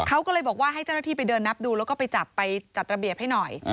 เขาก็เลยบอกว่าให้เจ้าหน้าที่ไปเดินนับดูแล้วก็ไปจับไปจัดระเบียบให้หน่อย